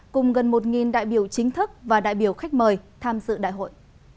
cùng gần một đại biểu chính thức và đại biểu khách mời tham dự đại hội